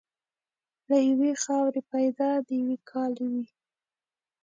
له یوې خاورې پیدا د یوه کاله وې.